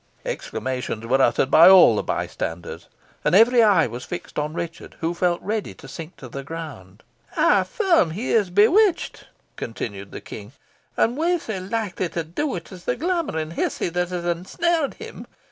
Exclamations were uttered by all the bystanders, and every eye was fixed on Richard, who felt ready to sink to the ground. "I affirm he is bewitchit," continued the King; "and wha sae likely to do it as the glamouring hizzie that has ensnared him?